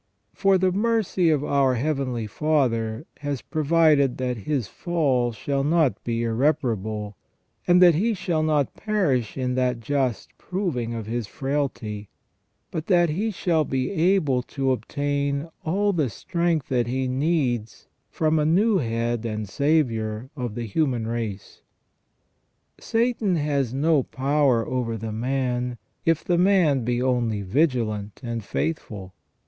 For the mercy of our Heavenly Father has provided that his fall shall not be irreparable, and that he shall not perish in that just proving of his frailty, but that he shall be able to obtain all the strength that he needs from a new Head and Saviour of the human race. Satan has no power over the man, if the man be only vigilant and faithful.